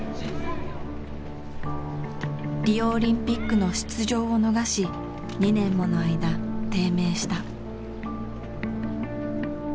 リオ・オリンピックの出場を逃し２年もの間低迷した。